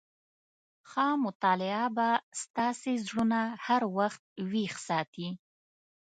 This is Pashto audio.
ښه مطالعه به ستاسي زړونه هر وخت ويښ ساتي.